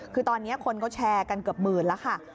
คือตอนนี้คนก็แชร์กันเกือบหมื่นแล้วค่ะ